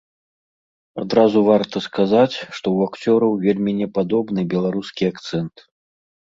Адразу варта сказаць, што ў акцёраў вельмі не падобны беларускі акцэнт.